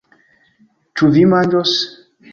Ĉu vi manĝos?